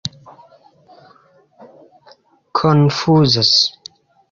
konfuzas